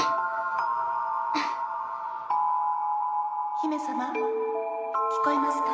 姫様聞こえますか？